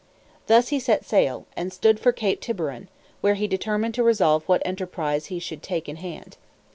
Thus he set sail, and stood for Cape Tiburon, where he determined to resolve what enterprise he should take in hand.